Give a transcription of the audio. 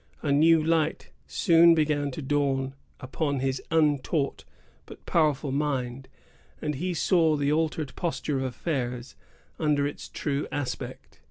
A new light soon began to dawn upon his untaught but powerful mind, and he saw the altered posture of affairs under its true aspect.